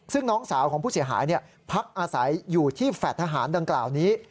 ซึ่งน้องสาวของผู้เสียหายพักอาศัยอยู่ที่แฟลต์ทหารดังกล่าวนี้